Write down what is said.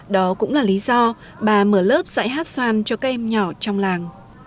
đó cũng là lý do bà mở lớp dạy hát xoan cho các em nhỏ trong làng